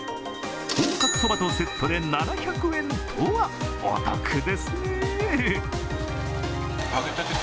本格そばとセットで７００円とはお得ですね。